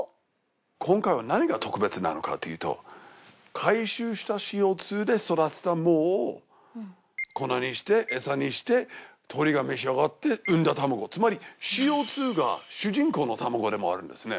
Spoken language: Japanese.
今回は何が特別なのかというと回収したＣＯ２で育てた藻を粉にしてえさにして鶏が召し上がって産んだたまごつまりＣＯ２が主人公のたまごでもあるんですね